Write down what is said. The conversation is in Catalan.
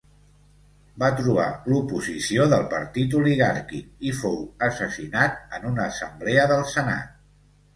Va trobar l'oposició del partit oligàrquic i fou assassinat en una assemblea del senat.